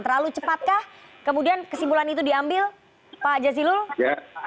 terlalu cepatkah kemudian kesimpulan itu diambil pak jazilul